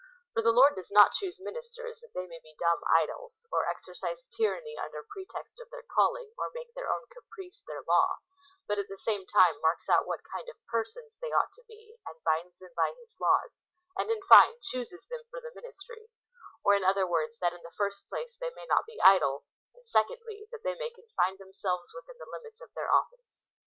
For the Lord does not choose ministers that they may be dumb idols, or exercise tyranny under pretext of their calling, or make their own caprice their law ; but at the same time marks out what kind of persons they ought to be, and binds them by his laws, and in fine chooses them for the ministry, or, in other words, that in the first place they may not be idle, and, secondly, that they may confine themselves within the limits of their office.